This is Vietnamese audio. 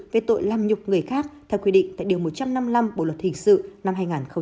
về tội làm nhục người khác theo quy định tại điều một trăm năm mươi năm bộ luật hình sự năm hai nghìn một mươi năm